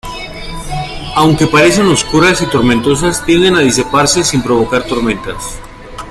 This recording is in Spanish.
Aunque parecen oscuras y tormentosas, tienden a disiparse sin provocar tormentas.